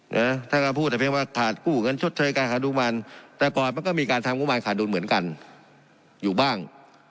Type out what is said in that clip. นะท่านก็พูดแต่เพียงว่าขาดกู้เงินชดเชยการขาดดุมันแต่ก่อนมันก็มีการทำงบประมาณขาดดุลเหมือนกันอยู่บ้าง